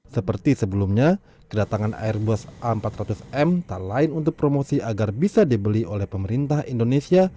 seperti sebelumnya kedatangan airbus a empat ratus m tak lain untuk promosi agar bisa dibeli oleh pemerintah indonesia